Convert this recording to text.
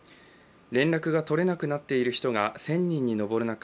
連絡が取れなくなっている人が１０００人に上る中